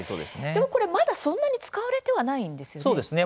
でも、これまだそんなに使われてはないんですよね？